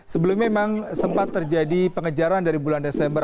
sebelumnya memang sempat terjadi pengejaran dari bulan desember